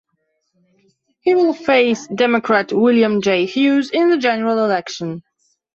He will face Democrat William J. Hughes in the general election.